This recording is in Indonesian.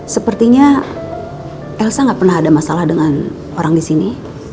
sepertinya elsa gak pernah ada masalah dengan orang disini